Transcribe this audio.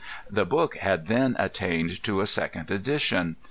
The book had then attained to a second edition.